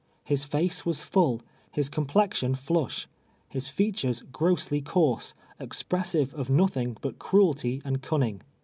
His tace was full, liis complexion flusli, liis features grossly coarse, expressive of notliing but cruelty and cunning.